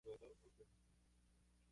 Florece en abril o mayo.